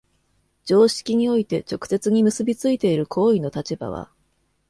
常識において直接に結び付いている行為の立場は、